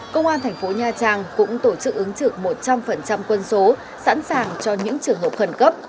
công an thành phố nha trang cũng tổ chức ứng trực một trăm linh quân số sẵn sàng cho những trường hợp khẩn cấp